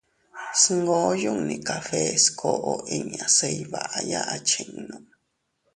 Sngoo yunni café skoʼo inña se iyvaya achinnu.